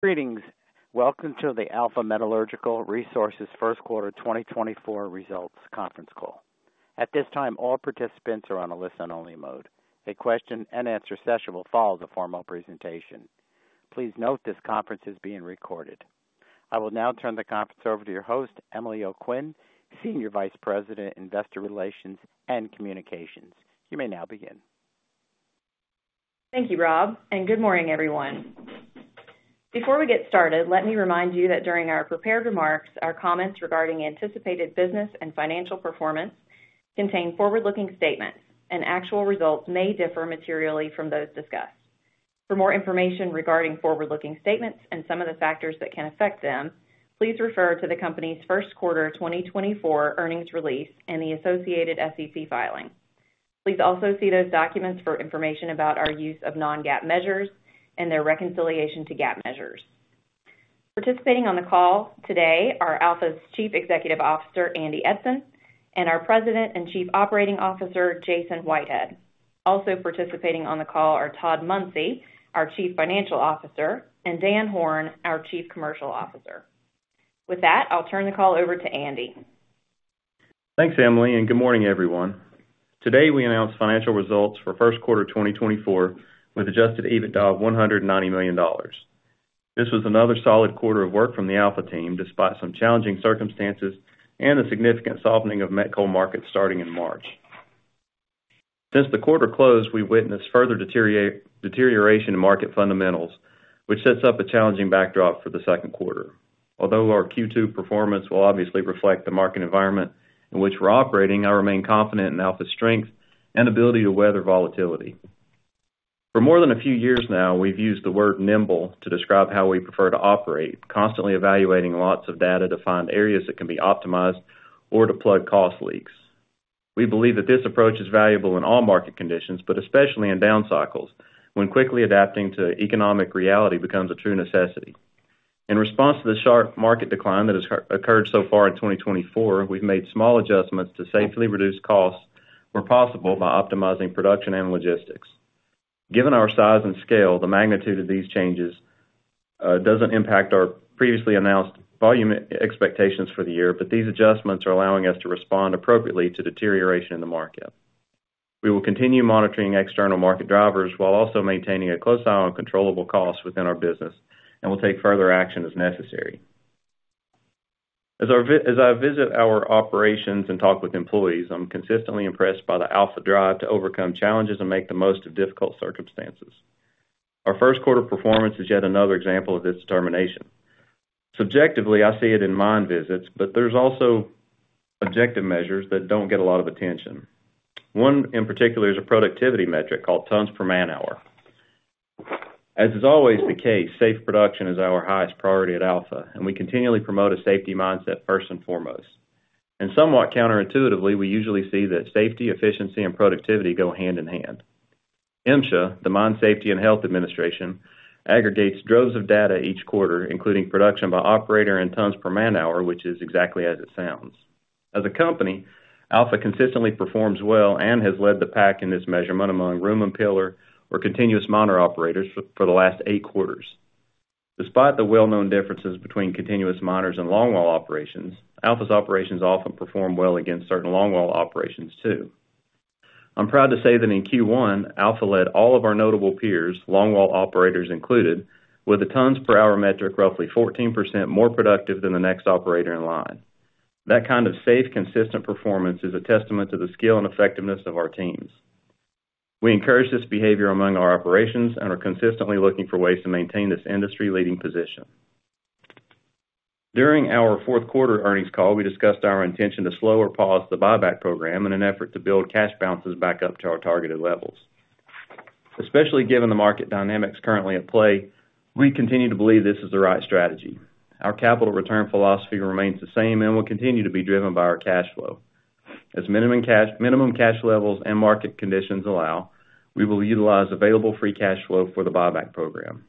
Greetings. Welcome to the Alpha Metallurgical Resources First Quarter 2024 Results Conference Call. At this time, all participants are on a listen-only mode. A question and answer session will follow the formal presentation. Please note this conference is being recorded. I will now turn the conference over to your host, Emily O'Quinn, Senior Vice President, Investor Relations and Communications. You may now begin. Thank you, Rob, and good morning, everyone. Before we get started, let me remind you that during our prepared remarks, our comments regarding anticipated business and financial performance contain forward-looking statements, and actual results may differ materially from those discussed. For more information regarding forward-looking statements and some of the factors that can affect them, please refer to the company's first quarter 2024 earnings release and the associated SEC filing. Please also see those documents for information about our use of non-GAAP measures and their reconciliation to GAAP measures. Participating on the call today are Alpha's Chief Executive Officer, Andy Eidson, and our President and Chief Operating Officer, Jason Whitehead. Also participating on the call are Todd Munsey, our Chief Financial Officer, and Dan Horn, our Chief Commercial Officer. With that, I'll turn the call over to Andy. Thanks, Emily, and good morning, everyone. Today, we announced financial results for first quarter 2024, with adjusted EBITDA of $190 million. This was another solid quarter of work from the Alpha team, despite some challenging circumstances and a significant softening of met coal markets starting in March. Since the quarter closed, we've witnessed further deterioration in market fundamentals, which sets up a challenging backdrop for the second quarter. Although our Q2 performance will obviously reflect the market environment in which we're operating, I remain confident in Alpha's strength and ability to weather volatility. For more than a few years now, we've used the word nimble to describe how we prefer to operate, constantly evaluating lots of data to find areas that can be optimized or to plug cost leaks. We believe that this approach is valuable in all market conditions, but especially in down cycles, when quickly adapting to economic reality becomes a true necessity. In response to the sharp market decline that has occurred so far in 2024, we've made small adjustments to safely reduce costs where possible by optimizing production and logistics. Given our size and scale, the magnitude of these changes doesn't impact our previously announced volume expectations for the year, but these adjustments are allowing us to respond appropriately to deterioration in the market. We will continue monitoring external market drivers while also maintaining a close eye on controllable costs within our business and will take further action as necessary. As I visit our operations and talk with employees, I'm consistently impressed by the Alpha drive to overcome challenges and make the most of difficult circumstances. Our first quarter performance is yet another example of this determination. Subjectively, I see it in mine visits, but there's also objective measures that don't get a lot of attention. One, in particular, is a productivity metric called tons per manhour. As is always the case, safe production is our highest priority at Alpha, and we continually promote a safety mindset first and foremost. Somewhat counterintuitively, we usually see that safety, efficiency, and productivity go hand-in-hand. MSHA, the Mine Safety and Health Administration, aggregates droves of data each quarter, including production by operator and tons per manhour, which is exactly as it sounds. As a company, Alpha consistently performs well and has led the pack in this measurement among room and pillar or continuous miner operators for the last eight quarters. Despite the well-known differences between continuous miners and longwall operations, Alpha's operations often perform well against certain longwall operations, too. I'm proud to say that in Q1, Alpha led all of our notable peers, longwall operators included, with the tons per hour metric, roughly 14% more productive than the next operator in line. That kind of safe, consistent performance is a testament to the skill and effectiveness of our teams. We encourage this behavior among our operations and are consistently looking for ways to maintain this industry-leading position. During our fourth quarter earnings call, we discussed our intention to slow or pause the buyback program in an effort to build cash balances back up to our targeted levels. Especially given the market dynamics currently at play, we continue to believe this is the right strategy. Our capital return philosophy remains the same and will continue to be driven by our cash flow. As minimum cash levels and market conditions allow, we will utilize available free cash flow for the buyback program.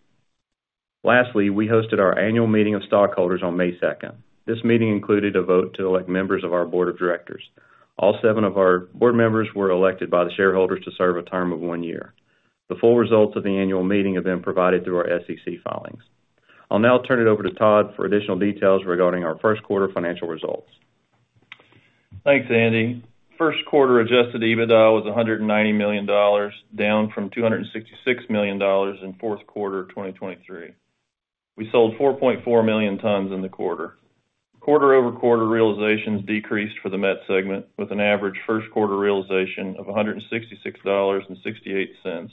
Lastly, we hosted our annual meeting of stockholders on May 2nd. This meeting included a vote to elect members of our board of directors. All 7 of our board members were elected by the shareholders to serve a term of one year. The full results of the annual meeting have been provided through our SEC filings. I'll now turn it over to Todd for additional details regarding our first quarter financial results. Thanks, Andy. First quarter adjusted EBITDA was $190 million, down from $266 million in fourth quarter of 2023. We sold 4.4 million tons in the quarter. Quarter-over-quarter realizations decreased for the met segment, with an average first quarter realization of $166.68,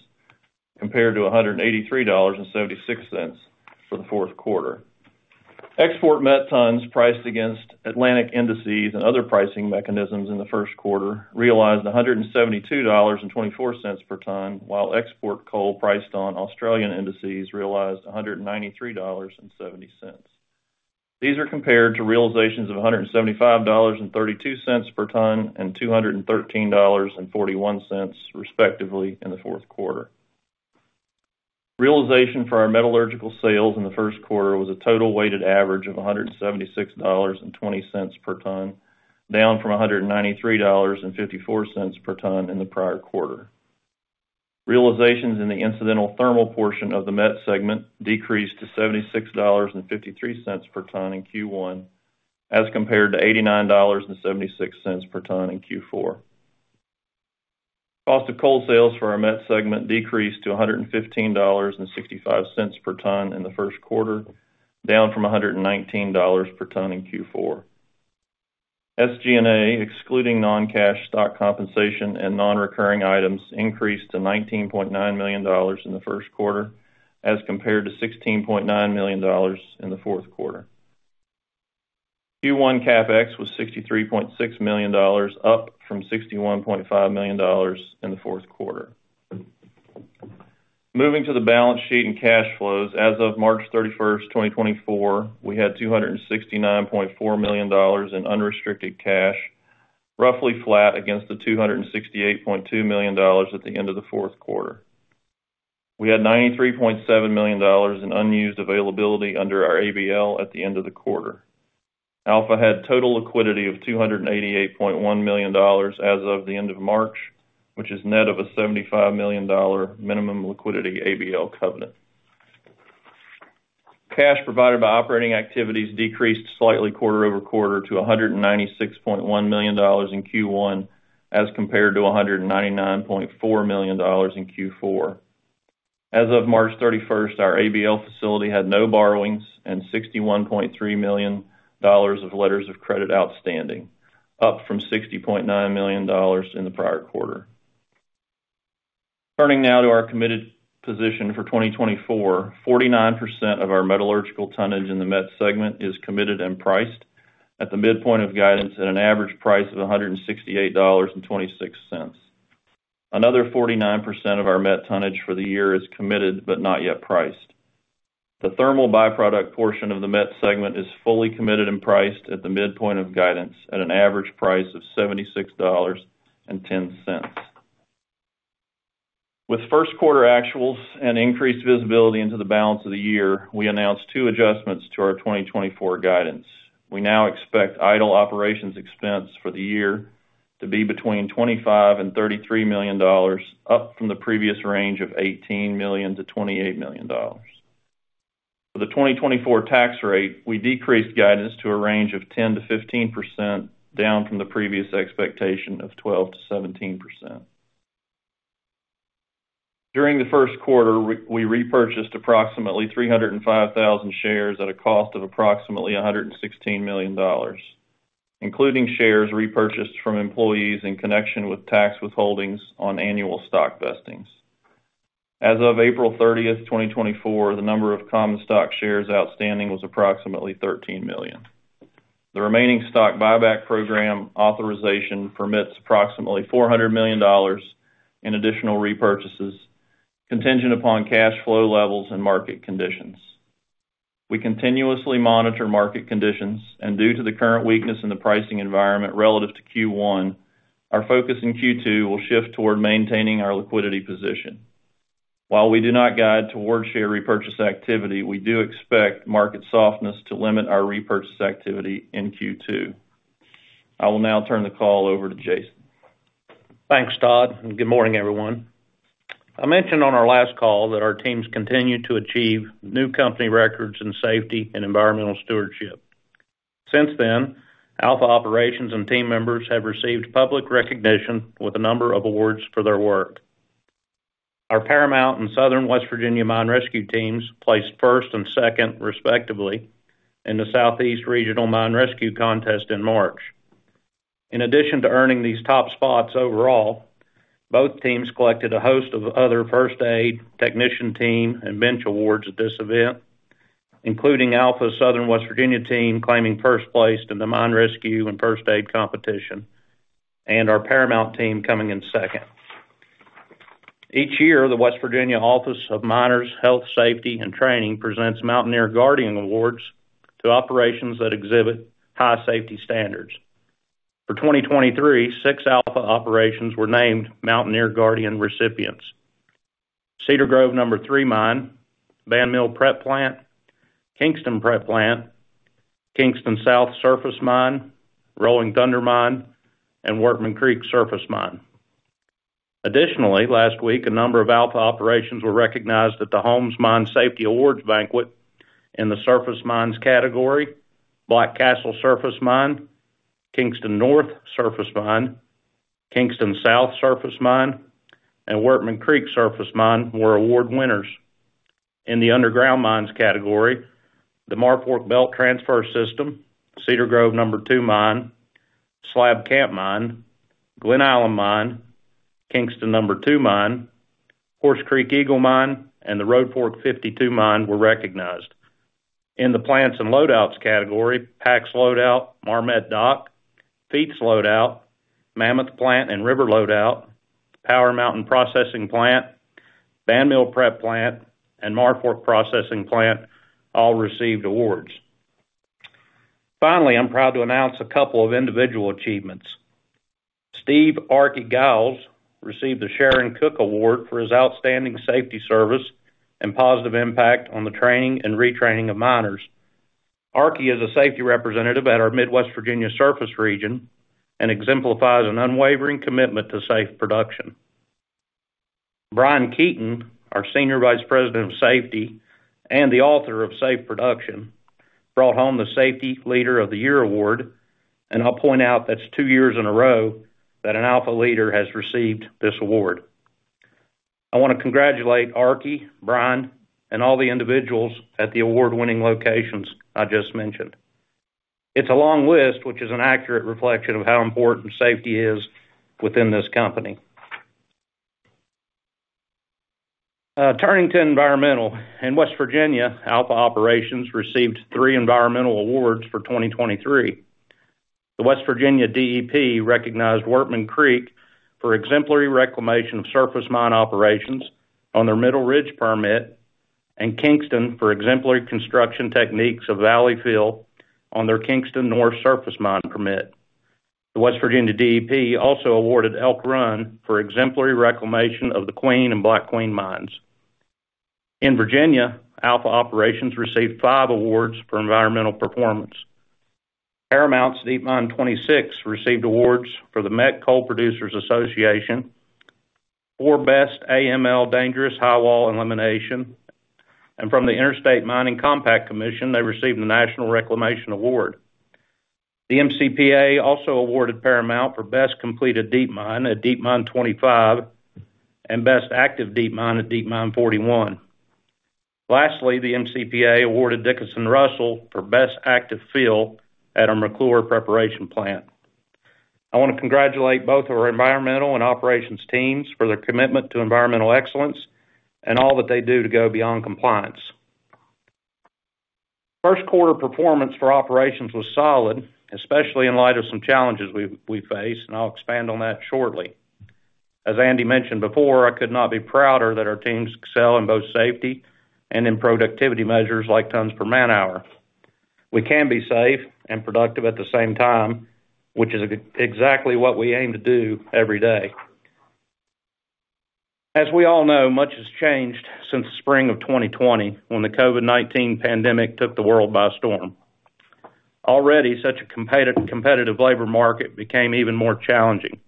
compared to $183.76 for the fourth quarter. Export met tons priced against Atlantic indices and other pricing mechanisms in the first quarter realized $172.24 per ton, while export coal priced on Australian indices realized $193.70. These are compared to realizations of $175.32 per ton and $213.41, respectively, in the fourth quarter. Realization for our metallurgical sales in the first quarter was a total weighted average of $176.20 per ton, down from $193.54 per ton in the prior quarter. Realizations in the incidental thermal portion of the met segment decreased to $76.53 per ton in Q1, as compared to $89.76 per ton in Q4. Cost of coal sales for our met segment decreased to $115.65 per ton in the first quarter, down from $119 per ton in Q4. SG&A, excluding non-cash stock compensation and non-recurring items, increased to $19.9 million in the first quarter, as compared to $16.9 million in the fourth quarter. Q1 CapEx was $63.6 million, up from $61.5 million in the fourth quarter. Moving to the balance sheet and cash flows. As of March 31st, 2024, we had $269.4 million in unrestricted cash, roughly flat against the $268.2 million at the end of the fourth quarter. We had $93.7 million in unused availability under our ABL at the end of the quarter. Alpha had total liquidity of $288.1 million as of the end of March, which is net of a $75 million minimum liquidity ABL covenant. Cash provided by operating activities decreased slightly quarter-over-quarter to $196.1 million in Q1, as compared to $199.4 million in Q4. As of March 31, our ABL facility had no borrowings and $61.3 million of letters of credit outstanding, up from $60.9 million in the prior quarter. Turning now to our committed position for 2024, 49% of our metallurgical tonnage in the met segment is committed and priced at the midpoint of guidance at an average price of $168.26. Another 49% of our met tonnage for the year is committed but not yet priced. The thermal by-product portion of the met segment is fully committed and priced at the midpoint of guidance at an average price of $76.10. With first quarter actuals and increased visibility into the balance of the year, we announced two adjustments to our 2024 guidance. We now expect idle operations expense for the year to be between $25 million and $33 million, up from the previous range of $18 million-$28 million. For the 2024 tax rate, we decreased guidance to a range of 10%-15%, down from the previous expectation of 12%-17%. During the first quarter, we repurchased approximately 305,000 shares at a cost of approximately $116 million, including shares repurchased from employees in connection with tax withholdings on annual stock vestings. As of April 30th, 2024, the number of common stock shares outstanding was approximately 13 million. The remaining stock buyback program authorization permits approximately $400 million in additional repurchases, contingent upon cash flow levels and market conditions. We continuously monitor market conditions, and due to the current weakness in the pricing environment relative to Q1, our focus in Q2 will shift toward maintaining our liquidity position. While we do not guide towards share repurchase activity, we do expect market softness to limit our repurchase activity in Q2. I will now turn the call over to Jason. Thanks, Todd, and good morning, everyone. I mentioned on our last call that our teams continued to achieve new company records in safety and environmental stewardship. Since then, Alpha operations and team members have received public recognition with a number of awards for their work. Our Paramont and Southern West Virginia Mine Rescue teams placed first and second, respectively, in the Southeast Regional Mine Rescue Contest in March. In addition to earning these top spots overall, both teams collected a host of other first aid, technician team, and bench awards at this event, including Alpha Southern West Virginia team claiming first place in the Mine Rescue and First Aid Competition, and our Paramont team coming in second. Each year, the West Virginia Office of Miners' Health, Safety, and Training presents Mountaineer Guardian Awards to operations that exhibit high safety standards. For 2023, six Alpha operations were named Mountaineer Guardian recipients: Cedar Grove Number Three Mine, Bandmill Prep Plant, Kingston Prep Plant, Kingston South Surface Mine, Rolling Thunder Mine, and Workman Creek Surface Mine. Additionally, last week, a number of Alpha operations were recognized at the Holmes Mine Safety Awards banquet. In the surface mines category, Black Castle Surface Mine, Kingston North Surface Mine, Kingston South Surface Mine, and Workman Creek Surface Mine were award winners. In the underground mines category, the Marfork Belt Transfer System, Cedar Grove Number Two Mine, Slab Camp Mine, Glen Alum Mine, Kingston Number Two Mine, Horse Creek Eagle Mine, and the Road Fork 52 Mine were recognized. In the plants and loadouts category, Pax Loadout, Marmet Dock, Feds Loadout, Mammoth Plant and River Loadout, Power Mountain Processing Plant, Bandmill Prep Plant, and Marfork Processing Plant all received awards. Finally, I'm proud to announce a couple of individual achievements. Steve "Arkie" Gyles received the Sharon Cook Award for his outstanding safety service and positive impact on the training and retraining of miners. Arkie is a safety representative at our Mid-West Virginia Surface Region and exemplifies an unwavering commitment to safe production. Brian Keaton, our Senior Vice President of Safety and the author of Safe Production, brought home the Safety Leader of the Year Award, and I'll point out that's two years in a row that an Alpha leader has received this award. I wanna congratulate Arkie, Brian, and all the individuals at the award-winning locations I just mentioned. It's a long list, which is an accurate reflection of how important safety is within this company. Turning to environmental. In West Virginia, Alpha Operations received three environmental awards for 2023. The West Virginia DEP recognized Workman Creek for exemplary reclamation of surface mine operations on their Middle Ridge permit, and Kingston for exemplary construction techniques of valley fill on their Kingston North Surface Mine permit. The West Virginia DEP also awarded Elk Run for exemplary reclamation of the Queen and Black Queen Mines. In Virginia, Alpha Operations received five awards for environmental performance. Paramont's Deep Mine 26 received awards for the Met Coal Producers Association for Best AML Dangerous High Wall Elimination, and from the Interstate Mining Compact Commission, they received the National Reclamation Award. The MCPA also awarded Paramont for Best Completed Deep Mine at Deep Mine 25, and Best Active Deep Mine at Deep Mine 41. Lastly, the MCPA awarded Dickinson-Russell for Best Active Fill at our McClure Preparation Plant. I wanna congratulate both our environmental and operations teams for their commitment to environmental excellence and all that they do to go beyond compliance. First quarter performance for operations was solid, especially in light of some challenges we've faced, and I'll expand on that shortly. As Andy mentioned before, I could not be prouder that our teams excel in both safety and in productivity measures, like tons per manhour. We can be safe and productive at the same time, which is exactly what we aim to do every day. As we all know, much has changed since the spring of 2020, when the COVID-19 pandemic took the world by storm. Already, such a competitive labor market became even more challenging.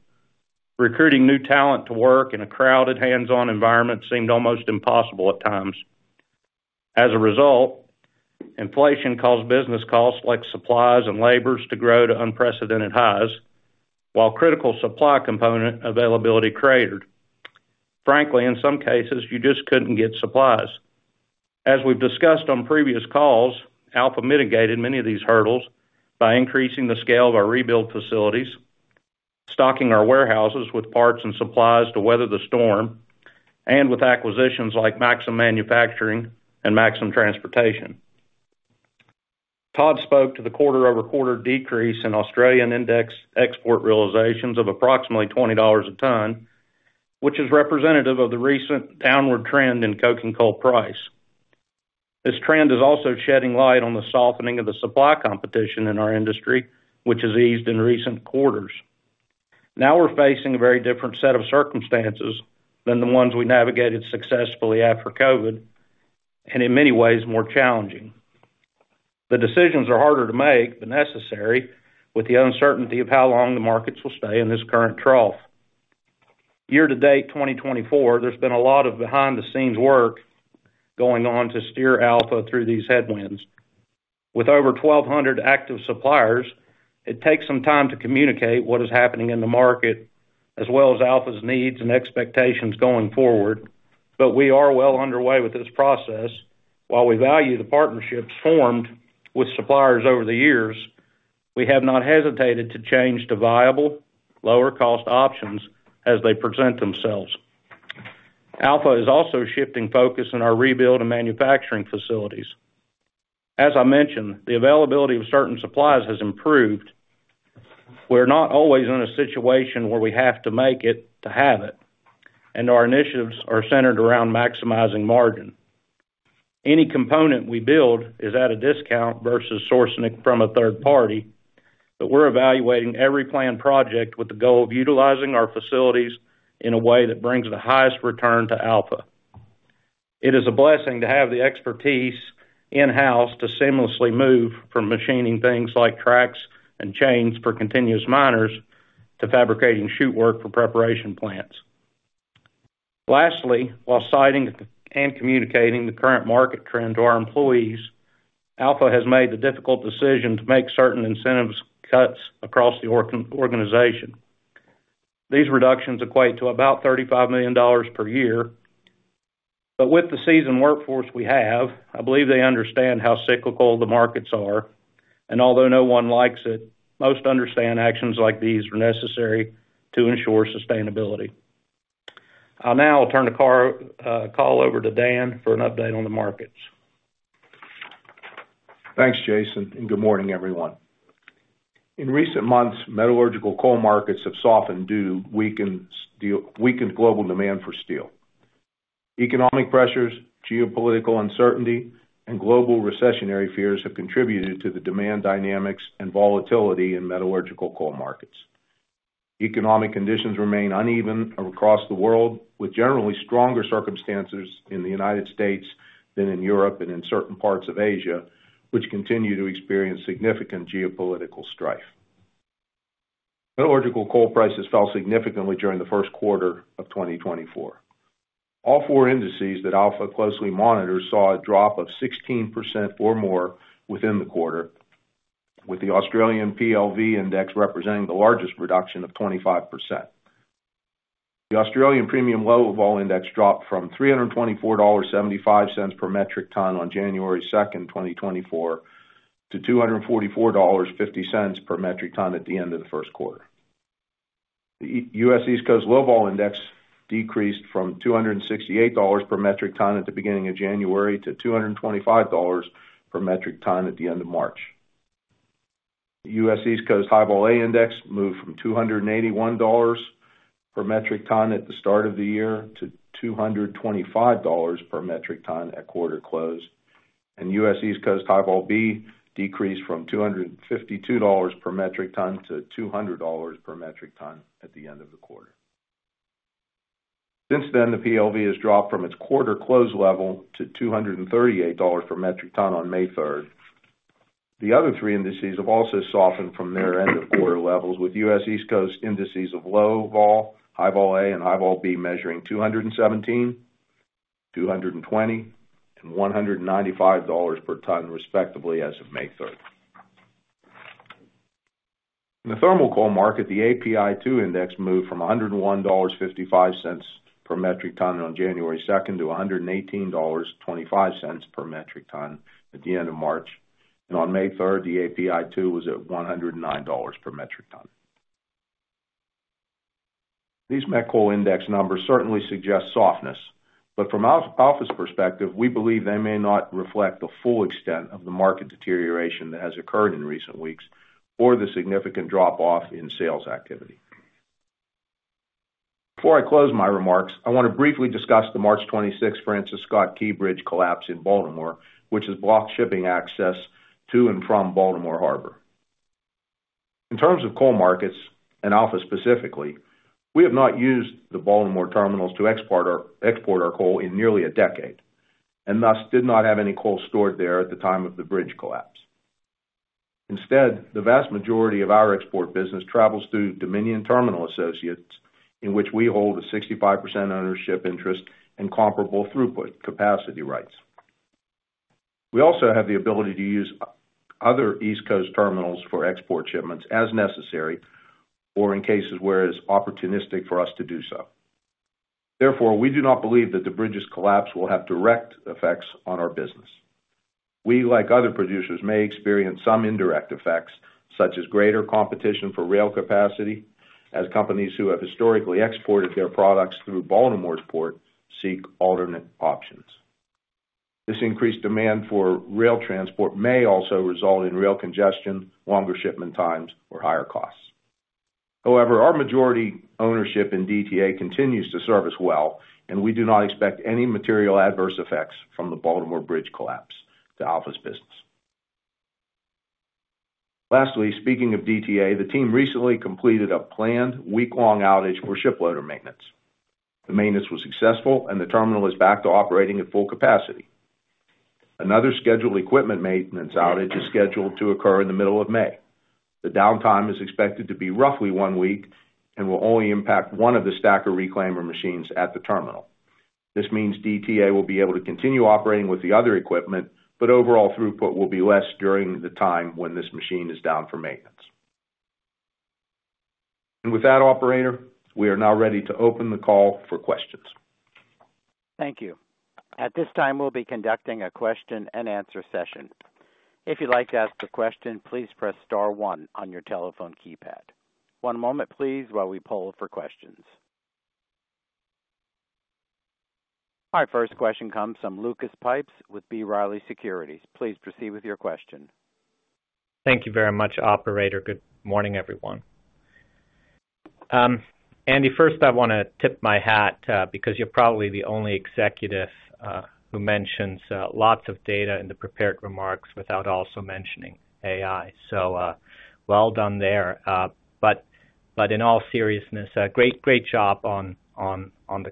Recruiting new talent to work in a crowded, hands-on environment seemed almost impossible at times. As a result, inflation caused business costs like supplies and labors to grow to unprecedented highs, while critical supply component availability cratered. Frankly, in some cases, you just couldn't get supplies. As we've discussed on previous calls, Alpha mitigated many of these hurdles by increasing the scale of our rebuild facilities, stocking our warehouses with parts and supplies to weather the storm, and with acquisitions like Maxxim Manufacturing and Maxxim Transportation. Todd spoke to the quarter-over-quarter decrease in Australian index export realizations of approximately $20 a ton, which is representative of the recent downward trend in coking coal price. This trend is also shedding light on the softening of the supply competition in our industry, which has eased in recent quarters. Now we're facing a very different set of circumstances than the ones we navigated successfully after COVID, and in many ways, more challenging. The decisions are harder to make, but necessary, with the uncertainty of how long the markets will stay in this current trough. Year to date, 2024, there's been a lot of behind-the-scenes work going on to steer Alpha through these headwinds. With over 1,200 active suppliers, it takes some time to communicate what is happening in the market, as well as Alpha's needs and expectations going forward, but we are well underway with this process. While we value the partnerships formed with suppliers over the years, we have not hesitated to change to viable, lower-cost options as they present themselves. Alpha is also shifting focus on our rebuild and manufacturing facilities. As I mentioned, the availability of certain supplies has improved. We're not always in a situation where we have to make it to have it, and our initiatives are centered around maximizing margin. Any component we build is at a discount versus sourcing it from a third party, but we're evaluating every planned project with the goal of utilizing our facilities in a way that brings the highest return to Alpha. It is a blessing to have the expertise in-house to seamlessly move from machining things like tracks and chains for continuous miners to fabricating chute work for preparation plants. Lastly, while citing and communicating the current market trend to our employees, Alpha has made the difficult decision to make certain incentives cuts across the organization. These reductions equate to about $35 million per year. But with the seasoned workforce we have, I believe they understand how cyclical the markets are, and although no one likes it, most understand actions like these are necessary to ensure sustainability. I'll now turn the call over to Dan for an update on the markets. Thanks, Jason, and good morning, everyone. In recent months, metallurgical coal markets have softened due to weakened global demand for steel. Economic pressures, geopolitical uncertainty, and global recessionary fears have contributed to the demand dynamics and volatility in metallurgical coal markets. Economic conditions remain uneven across the world, with generally stronger circumstances in the United States than in Europe and in certain parts of Asia, which continue to experience significant geopolitical strife. Metallurgical coal prices fell significantly during the first quarter of 2024. All four indices that Alpha closely monitors saw a drop of 16% or more within the quarter, with the Australian PLV index representing the largest reduction of 25%. The Australian Premium Low-Vol index dropped from $324.75 per metric ton on January 2nd, 2024, to $244.50 per metric ton at the end of the first quarter. The U.S. East Coast Low-Vol index decreased from $268 per metric ton at the beginning of January to $225 per metric ton at the end of March. The U.S. East Coast High-Vol A index moved from $281 per metric ton at the start of the year to $225 per metric ton at quarter close, and U.S. East Coast High-Vol B decreased from $252 per metric ton to $200 per metric ton at the end of the quarter. Since then, the PLV has dropped from its quarter close level to $238 per metric ton on May third. The other three indices have also softened from their end of quarter levels, with U.S. East Coast indices of Low-Vol, High-Vol A, and High-Vol B, measuring $217, $220, and $195 per ton, respectively, as of May third. In the thermal coal market, the API2 index moved from $101.55 per metric ton on January second to $118.25 per metric ton at the end of March. And on May third, the API2 was at $109 per metric ton. These met coal index numbers certainly suggest softness, but from Alpha's perspective, we believe they may not reflect the full extent of the market deterioration that has occurred in recent weeks or the significant drop-off in sales activity. Before I close my remarks, I want to briefly discuss the March 26th Francis Scott Key Bridge collapse in Baltimore, which has blocked shipping access to and from Baltimore Harbor. In terms of coal markets and Alpha specifically, we have not used the Baltimore terminals to export our coal in nearly a decade, and thus did not have any coal stored there at the time of the bridge collapse. Instead, the vast majority of our export business travels through Dominion Terminal Associates, in which we hold a 65% ownership interest and comparable throughput capacity rights. We also have the ability to use other East Coast terminals for export shipments as necessary or in cases where it's opportunistic for us to do so. Therefore, we do not believe that the bridge's collapse will have direct effects on our business. We, like other producers, may experience some indirect effects, such as greater competition for rail capacity, as companies who have historically exported their products through Baltimore's port seek alternate options. This increased demand for rail transport may also result in rail congestion, longer shipment times, or higher costs. However, our majority ownership in DTA continues to serve us well, and we do not expect any material adverse effects from the Baltimore bridge collapse to Alpha's business. Lastly, speaking of DTA, the team recently completed a planned week-long outage for ship loader maintenance. The maintenance was successful, and the terminal is back to operating at full capacity. Another scheduled equipment maintenance outage is scheduled to occur in the middle of May. The downtime is expected to be roughly one week and will only impact one of the stacker reclaimer machines at the terminal. This means DTA will be able to continue operating with the other equipment, but overall throughput will be less during the time when this machine is down for maintenance. With that, operator, we are now ready to open the call for questions. Thank you. At this time, we'll be conducting a question-and-answer session. If you'd like to ask a question, please press star one on your telephone keypad. One moment, please, while we poll for questions. Our first question comes from Lucas Pipes with B. Riley Securities. Please proceed with your question. Thank you very much, operator. Good morning, everyone. Andy, first, I want to tip my hat because you're probably the only executive who mentions lots of data in the prepared remarks without also mentioning AI. So, well done there. But in all seriousness, a great, great job on the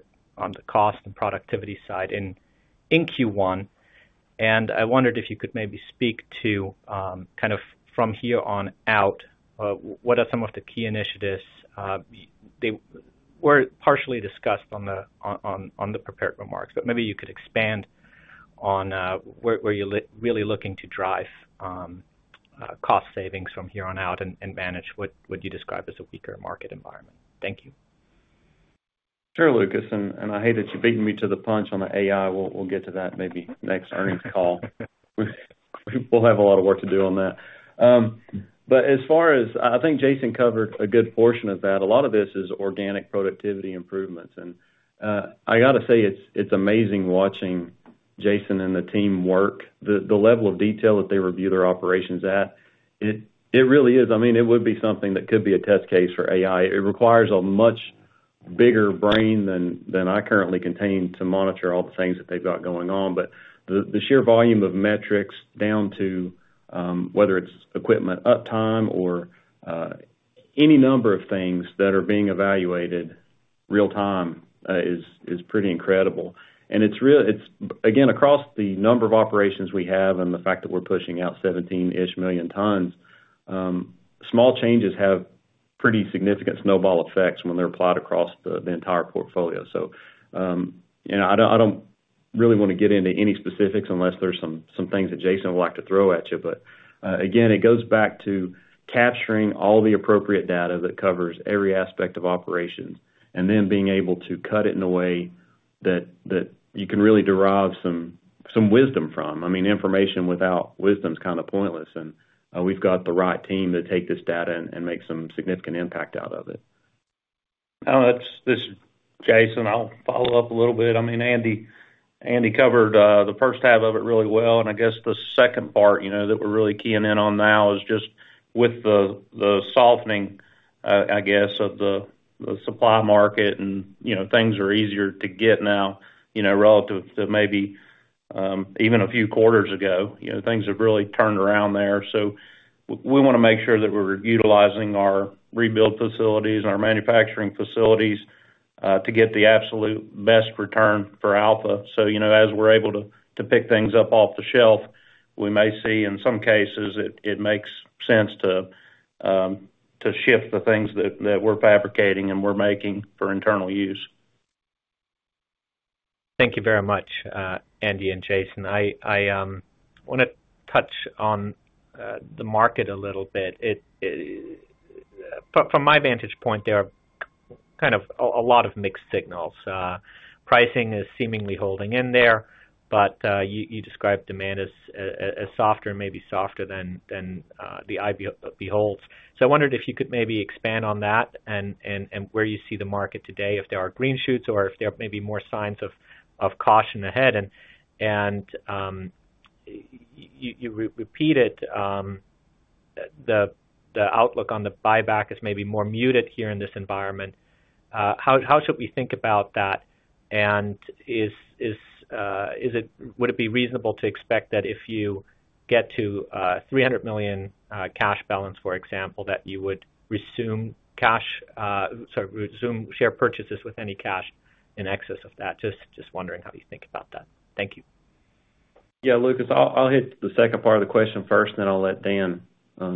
cost and productivity side in Q1. And I wondered if you could maybe speak to kind of from here on out what are some of the key initiatives? They were partially discussed on the prepared remarks, but maybe you could expand on where you really looking to drive cost savings from here on out and manage what you describe as a weaker market environment. Thank you. Sure, Lucas. And I hate that you're beating me to the punch on the AI. We'll get to that maybe next earnings call. We'll have a lot of work to do on that. But as far as... I think Jason covered a good portion of that. A lot of this is organic productivity improvements. And I gotta say, it's amazing watching Jason and the team work. The level of detail that they review their operations at, it really is. I mean, it would be something that could be a test case for AI. It requires a much-... bigger brain than I currently contain to monitor all the things that they've got going on. But the sheer volume of metrics down to whether it's equipment uptime or any number of things that are being evaluated real time is pretty incredible. And it's, again, across the number of operations we have and the fact that we're pushing out 17-ish million tons. Small changes have pretty significant snowball effects when they're applied across the entire portfolio. So, you know, I don't really wanna get into any specifics unless there's some things that Jason would like to throw at you. But, again, it goes back to capturing all the appropriate data that covers every aspect of operations, and then being able to cut it in a way that you can really derive some wisdom from. I mean, information without wisdom is kind of pointless, and we've got the right team to take this data and make some significant impact out of it. Oh, that's—this is Jason. I'll follow up a little bit. I mean, Andy, Andy covered the first half of it really well, and I guess the second part, you know, that we're really keying in on now is just with the softening, I guess, of the supply market and, you know, things are easier to get now, you know, relative to maybe even a few quarters ago. You know, things have really turned around there. So we wanna make sure that we're utilizing our rebuilt facilities and our manufacturing facilities to get the absolute best return for Alpha. So, you know, as we're able to pick things up off the shelf, we may see, in some cases, it makes sense to shift the things that we're fabricating and we're making for internal use. Thank you very much, Andy and Jason. I wanna touch on the market a little bit. From my vantage point, there are kind of a lot of mixed signals. Pricing is seemingly holding in there, but you describe demand as softer, maybe softer than the eye beholds. So I wondered if you could maybe expand on that and where you see the market today, if there are green shoots or if there are maybe more signs of caution ahead. You repeated the outlook on the buyback is maybe more muted here in this environment. How should we think about that? Is it reasonable to expect that if you get to $300 million cash balance, for example, that you would resume cash, sorry, resume share purchases with any cash in excess of that? Just wondering how you think about that. Thank you. Yeah, Lucas, I'll hit the second part of the question first, then I'll let Dan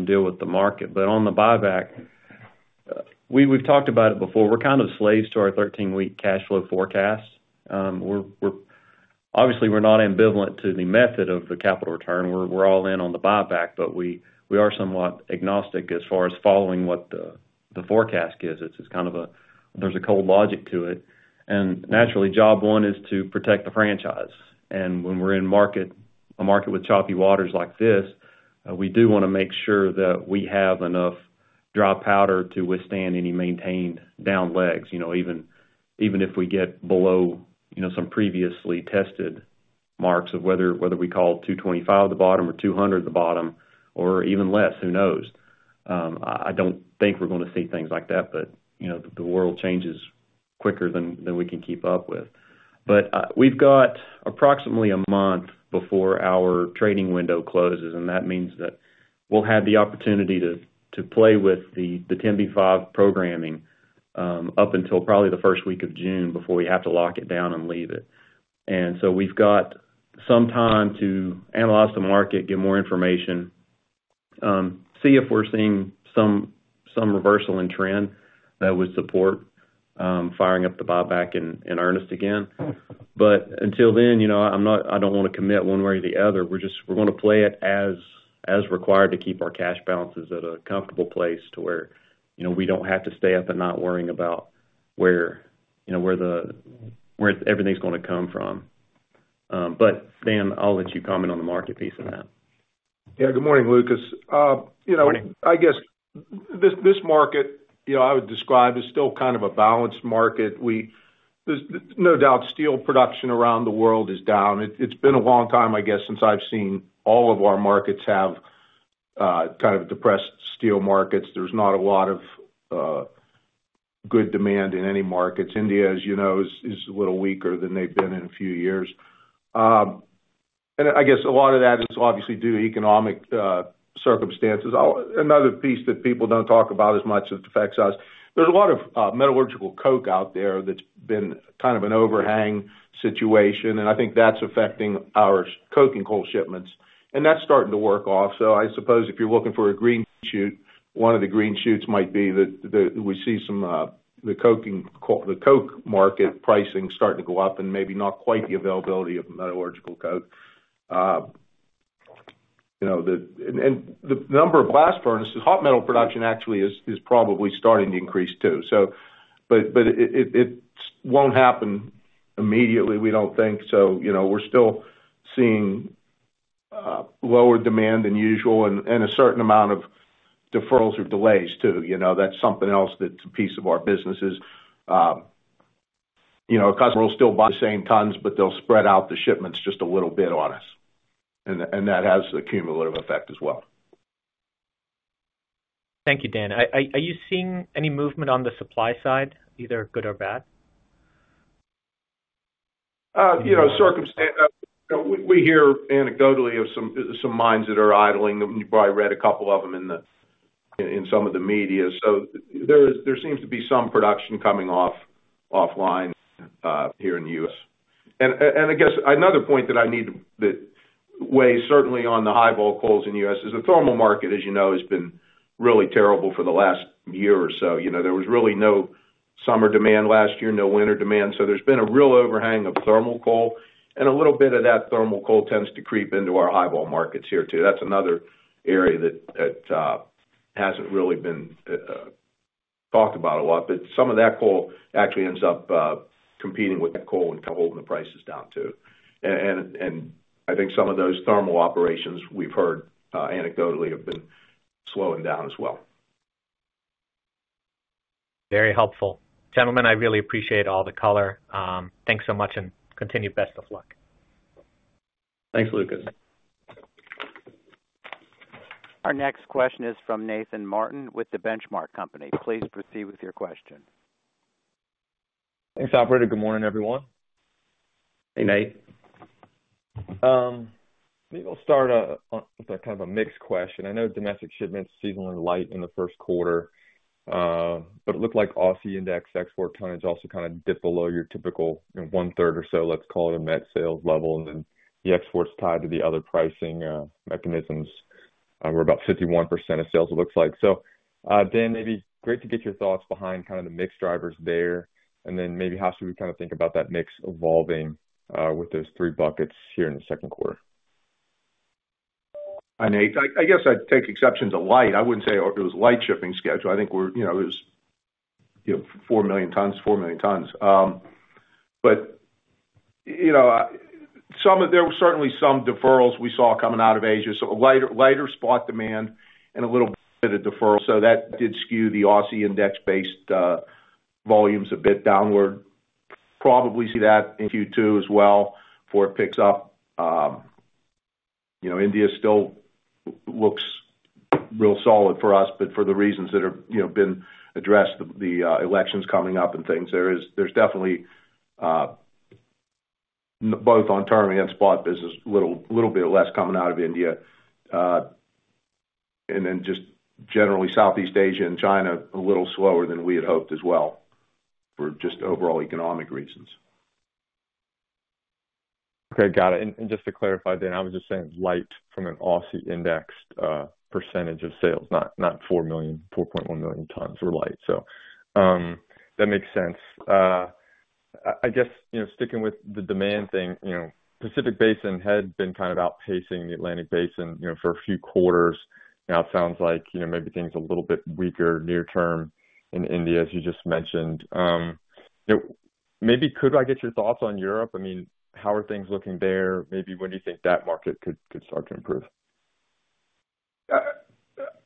deal with the market. But on the buyback, we've talked about it before. We're kind of slaves to our 13-week cash flow forecast. We're obviously not ambivalent to the method of the capital return. We're all in on the buyback, but we are somewhat agnostic as far as following what the forecast gives us. It's kind of a, there's a cold logic to it, and naturally, job one is to protect the franchise. When we're in a market with choppy waters like this, we do want to make sure that we have enough dry powder to withstand any maintained down legs, you know, even if we get below, you know, some previously tested marks of whether we call $225 the bottom or $200 the bottom or even less, who knows? I don't think we're gonna see things like that, but you know, the world changes quicker than we can keep up with. But we've got approximately a month before our trading window closes, and that means that we'll have the opportunity to play with the 10b5 programming up until probably the first week of June before we have to lock it down and leave it. And so we've got some time to analyze the market, get more information, see if we're seeing some reversal in trend that would support firing up the buyback in earnest again. But until then, you know, I'm not-- I don't wanna commit one way or the other. We're just- we're gonna play it as required to keep our cash balances at a comfortable place to where, you know, we don't have to stay up and not worrying about where, you know, where everything's gonna come from. But Dan, I'll let you comment on the market piece of that. Yeah, good morning, Lucas. You know- Morning... I guess this market, you know, I would describe is still kind of a balanced market. We, there's no doubt, steel production around the world is down. It's been a long time, I guess, since I've seen all of our markets have kind of depressed steel markets. There's not a lot of good demand in any markets. India, as you know, is a little weaker than they've been in a few years. And I guess a lot of that is obviously due to economic circumstances. Another piece that people don't talk about as much, it affects us, there's a lot of metallurgical coke out there that's been kind of an overhang situation, and I think that's affecting our coking coal shipments, and that's starting to work off. So I suppose if you're looking for a green shoot, one of the green shoots might be that we see some coking coal, the coke market pricing starting to go up and maybe not quite the availability of metallurgical coke. You know, and the number of blast furnaces, hot metal production actually is probably starting to increase, too. But it won't happen immediately, we don't think so. You know, we're still seeing lower demand than usual and a certain amount of deferrals or delays, too. You know, that's something else that's a piece of our businesses. You know, a customer will still buy the same tons, but they'll spread out the shipments just a little bit on us, and that has an accumulative effect as well.... Thank you, Dan. Are you seeing any movement on the supply side, either good or bad? You know, we hear anecdotally of some mines that are idling. You probably read a couple of them in some of the media. So there seems to be some production coming offline here in the U.S. And I guess another point that weighs certainly on the high-vol coals in the U.S. is the thermal market, as you know, has been really terrible for the last year or so. You know, there was really no summer demand last year, no winter demand, so there's been a real overhang of thermal coal, and a little bit of that thermal coal tends to creep into our high-vol markets here, too. That's another area that hasn't really been talked about a lot, but some of that coal actually ends up competing with that coal and kind of holding the prices down, too. And I think some of those thermal operations we've heard anecdotally have been slowing down as well. Very helpful. Gentlemen, I really appreciate all the color. Thanks so much, and continued best of luck. Thanks, Lucas. Our next question is from Nathan Martin with The Benchmark Company. Please proceed with your question. Thanks, operator. Good morning, everyone. Hey, Nate. Maybe I'll start on with a kind of a mixed question. I know domestic shipments seasonally light in the first quarter, but it looked like Aussie indexed export tonnage also kind of dipped below your typical one-third or so, let's call it, a met sales level, and then the exports tied to the other pricing mechanisms were about 51% of sales, it looks like. So, Dan, maybe great to get your thoughts behind kind of the mix drivers there, and then maybe how should we kind of think about that mix evolving with those three buckets here in the second quarter? Hi, Nate. I guess I'd take exception to light. I wouldn't say it was light shipping schedule. I think we're, you know, it was, you know, 4 million tons is 4 million tons. But, you know, there were certainly some deferrals we saw coming out of Asia, so a lighter, lighter spot demand and a little bit of deferral. So that did skew the Aussie index-based volumes a bit downward. Probably see that in Q2 as well, before it picks up. You know, India still looks real solid for us, but for the reasons that have, you know, been addressed, the elections coming up and things, there's definitely both on term and spot business, a little, little bit less coming out of India. and then just generally, Southeast Asia and China, a little slower than we had hoped as well, for just overall economic reasons. Okay, got it. And just to clarify, Dan, I was just saying light from an Aussie indexed percentage of sales, not 4 million, 4.1 million tons were light. So, that makes sense. I guess, you know, sticking with the demand thing, you know, Pacific Basin had been kind of outpacing the Atlantic Basin, you know, for a few quarters now. It sounds like, you know, maybe things are a little bit weaker near term in India, as you just mentioned. You know, maybe could I get your thoughts on Europe? I mean, how are things looking there? Maybe when do you think that market could start to improve?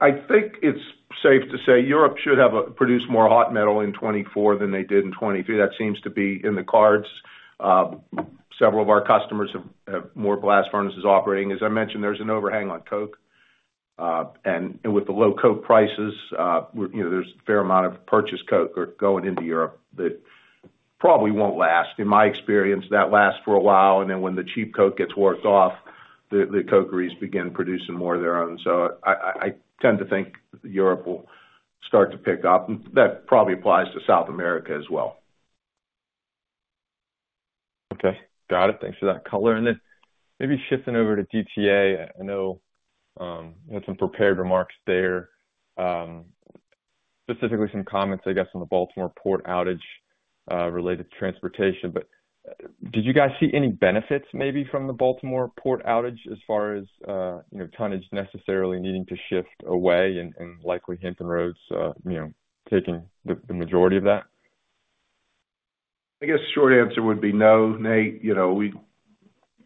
I think it's safe to say Europe should have produced more hot metal in 2024 than they did in 2022. That seems to be in the cards. Several of our customers have more blast furnaces operating. As I mentioned, there's an overhang on coke, and with the low coke prices, you know, there's a fair amount of purchased coke going into Europe, that probably won't last. In my experience, that lasts for a while, and then when the cheap coke gets worked off, the cokeries begin producing more of their own. So I tend to think Europe will start to pick up, and that probably applies to South America as well. Okay, got it. Thanks for that color. And then maybe shifting over to DTA. I know you had some prepared remarks there, specifically some comments, I guess, on the Baltimore port outage related to transportation. But did you guys see any benefits maybe from the Baltimore port outage as far as you know, tonnage necessarily needing to shift away and likely Hampton Roads you know, taking the majority of that? I guess the short answer would be no, Nate. You know,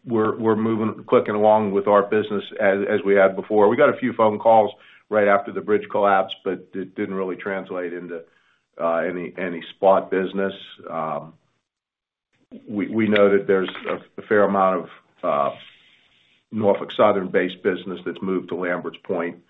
we're moving, clicking along with our business as we had before. We got a few phone calls right after the bridge collapsed, but it didn't really translate into any spot business. We know that there's a fair amount of Norfolk Southern-based business that's moved to Lamberts Point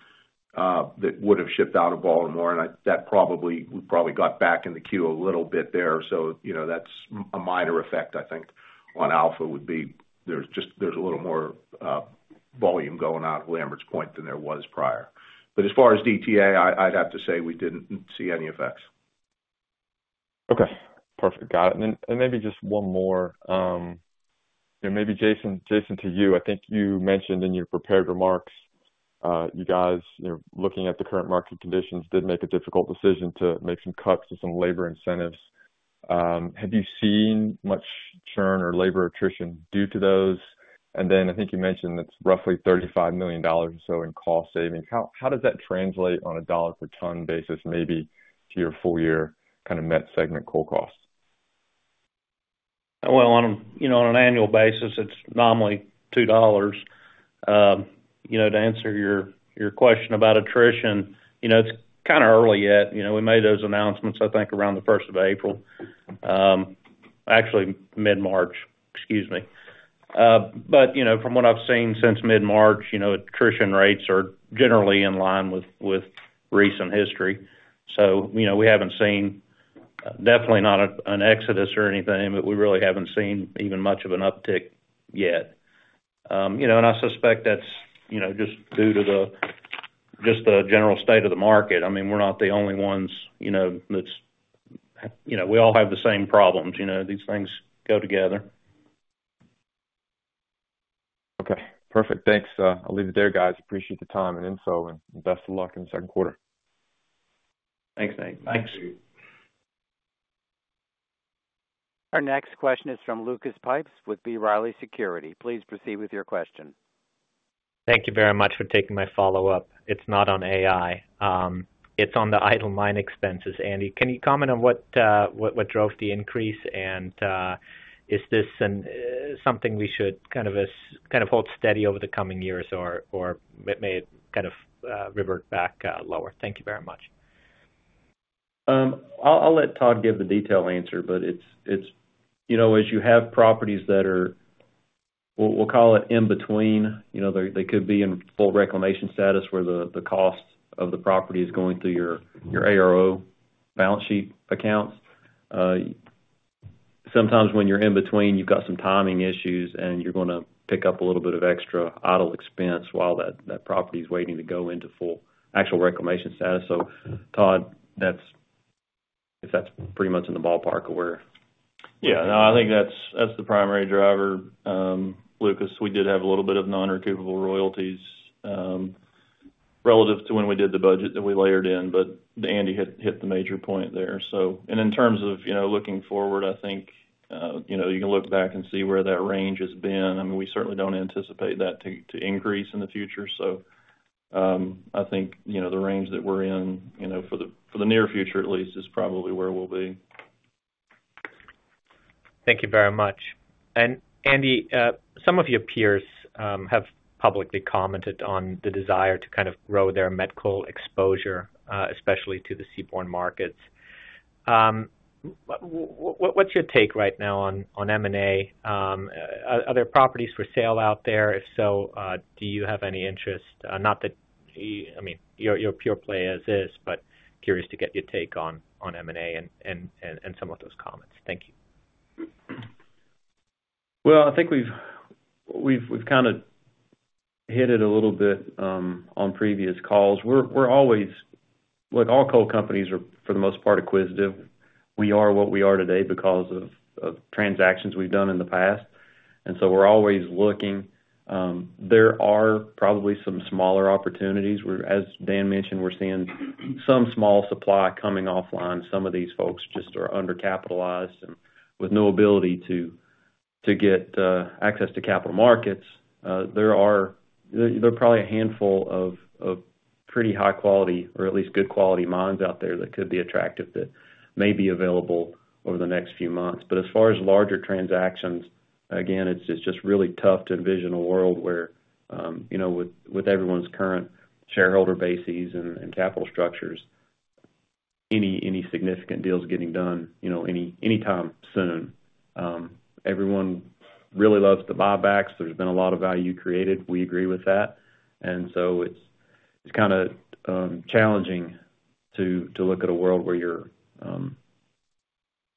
that would have shipped out of Baltimore, and I... That probably, we probably got back in the queue a little bit there. So, you know, that's a minor effect, I think, on Alpha. It would be there's just a little more volume going out of Lamberts Point than there was prior. But as far as DTA, I'd have to say we didn't see any effects. Okay, perfect. Got it. And then, and maybe just one more. And maybe Jason, Jason, to you, I think you mentioned in your prepared remarks, you guys, you know, looking at the current market conditions, did make a difficult decision to make some cuts to some labor incentives. Have you seen much churn or labor attrition due to those? And then, I think you mentioned it's roughly $35 million or so in cost savings. How does that translate on a dollar-per-ton basis, maybe to your full year kind of net segment coal costs? Well, you know, on an annual basis, it's nominally $2. You know, to answer your question about attrition, you know, it's kind of early yet. You know, we made those announcements, I think, around the first of April.... Actually, mid-March, excuse me. But, you know, from what I've seen since mid-March, you know, attrition rates are generally in line with recent history. So, you know, we haven't seen, definitely not an exodus or anything, but we really haven't seen even much of an uptick yet. You know, and I suspect that's just due to the general state of the market. I mean, we're not the only ones, you know, that's—you know, we all have the same problems, you know, these things go together. Okay, perfect. Thanks. I'll leave it there, guys. Appreciate the time and info, and best of luck in the second quarter. Thanks, Nate. Thanks. Our next question is from Lucas Pipes with B. Riley Securities. Please proceed with your question. Thank you very much for taking my follow-up. It's not on AI, it's on the idle mine expenses. Andy, can you comment on what drove the increase? And, is this something we should kind of hold steady over the coming years, or it may kind of revert back lower? Thank you very much. I'll let Todd give the detailed answer, but it's... You know, as you have properties that are, we'll call it in between, you know, they could be in full reclamation status, where the cost of the property is going through your ARO balance sheet accounts. Sometimes when you're in between, you've got some timing issues, and you're gonna pick up a little bit of extra idle expense while that property is waiting to go into full actual reclamation status. So Todd, that's... If that's pretty much in the ballpark or where? Yeah. No, I think that's, that's the primary driver, Lucas. We did have a little bit of non-recoverable royalties, relative to when we did the budget that we layered in, but Andy hit, hit the major point there. So, and in terms of, you know, looking forward, I think, you know, you can look back and see where that range has been. I mean, we certainly don't anticipate that to, to increase in the future. So, I think, you know, the range that we're in, you know, for the, for the near future at least, is probably where we'll be. Thank you very much. And Andy, some of your peers have publicly commented on the desire to kind of grow their met coal exposure, especially to the seaborne markets. What’s your take right now on M&A? Are there properties for sale out there? If so, do you have any interest? Not that, I mean, you’re a pure play as is, but curious to get your take on M&A and some of those comments. Thank you. Well, I think we've kind of hit it a little bit on previous calls. We're always—look, all coal companies are, for the most part, acquisitive. We are what we are today because of transactions we've done in the past, and so we're always looking. There are probably some smaller opportunities, where, as Dan mentioned, we're seeing some small supply coming offline. Some of these folks just are undercapitalized and with no ability to get access to capital markets. There are probably a handful of pretty high quality or at least good quality mines out there that could be attractive, that may be available over the next few months. But as far as larger transactions, again, it's just really tough to envision a world where, you know, with everyone's current shareholder bases and capital structures, any significant deals getting done, you know, anytime soon. Everyone really loves the buybacks. There's been a lot of value created. We agree with that. And so it's kinda challenging to look at a world where you're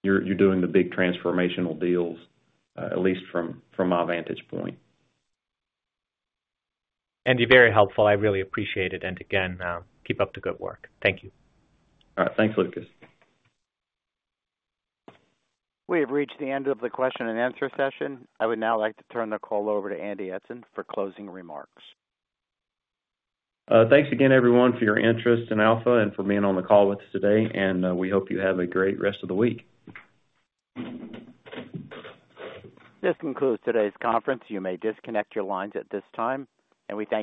doing the big transformational deals, at least from my vantage point. Andy, very helpful. I really appreciate it. And again, keep up the good work. Thank you. All right. Thanks, Lucas. We have reached the end of the question and answer session. I would now like to turn the call over to Andy Eidson for closing remarks. Thanks again, everyone, for your interest in Alpha and for being on the call with us today, and we hope you have a great rest of the week. This concludes today's conference. You may disconnect your lines at this time, and we thank you.